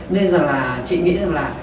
nên rằng là chị nghĩ rằng là